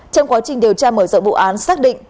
trong quá trình điều tra mở rộng vụ án xác định